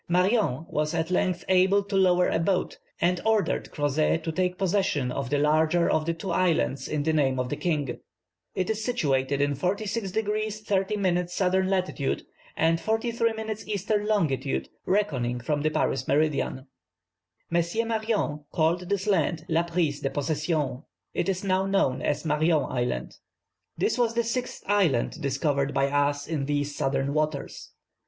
Marion was at length able to lower a boat, and ordered Crozet to take possession of the larger of the two islands in the name of the king. It is situated in 46 degrees 30 minutes S. lat., and 43 degrees E. long., reckoning from the Paris meridian. M. Marion called this island La Prise de Possession (it is now known as Marion Island). This was the sixth island discovered by us in these southern waters.